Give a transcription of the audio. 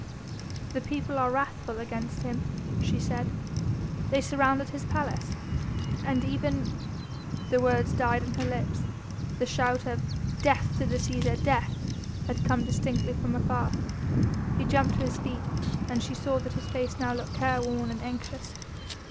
"The people are wrathful against him," she said; "they surrounded his palace, and even...." The words died on her lips. The shout of "Death to the Cæsar! Death!" had come distinctly from afar. He jumped to his feet, and she saw that his face now looked careworn and anxious.